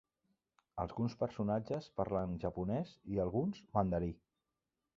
Alguns personatges parlen japonès i, alguns, mandarí.